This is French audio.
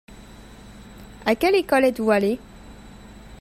À quelle école êtes-vous allé ?